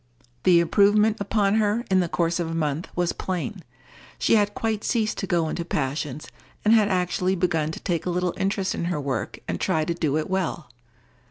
The improvement upon her, in the course of a month, was plain. She had quite ceased to go into passions, and had actually begun to take a little interest in her work and try to do it well.